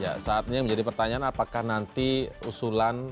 ya saatnya menjadi pertanyaan apakah nanti usulan